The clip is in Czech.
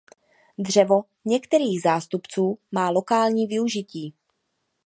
Dřevo některých zástupců má lokální využití.